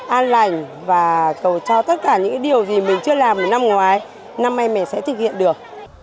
an lành và cầu cho tất cả những điều gì mình chưa làm thì năm ngoái năm nay mình sẽ thực hiện được